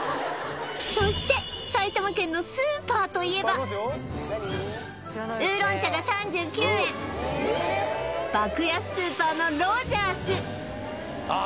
そして埼玉県のスーパーといえば烏龍茶が３９円爆安スーパーのロヂャースあ